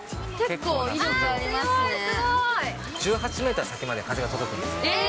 １８メートル先まで風が届くんです。